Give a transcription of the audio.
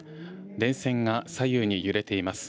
電線が左右に揺れています。